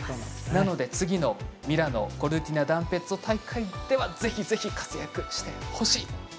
なので次のミラノ・コルティナダンペッツォ大会ではぜひぜひ活躍してほしい。